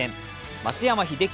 松山英樹